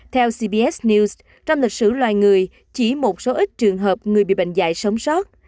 theo cbs news trong lịch sử loài người chỉ một số ít trường hợp người bị bệnh dạy sống sót